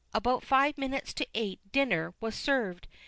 About five minutes to eight "dinner" was served.